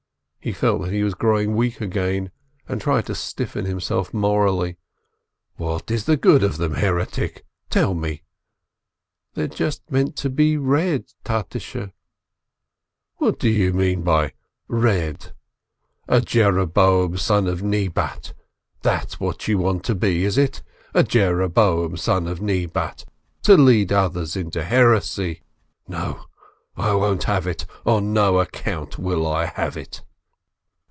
He felt that he was growing weak again, and tried to stiffen himself morally. "What is the good of them, heretic, tell me!" "They're just meant to read, Tatishe !" "What do you mean by 'read'? A Jeroboam son of Nebat, that's what you want to be, is it? A Jeroboam son of Nebat, to lead others into heresy! No! I won't have it ! On no account will I have it